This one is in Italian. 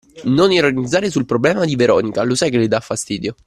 Non ironizzare sul problema di Veronica, lo sai che le da fastidio.